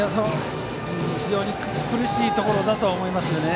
非常に苦しいところだとは思いますね。